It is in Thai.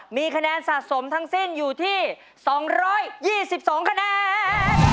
มีคะแนนสะสมทั้งสิ้นอยู่ที่๒๒คะแนน